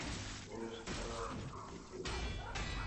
অনুষ্ঠানে আমি কেঁদেই ফেলব।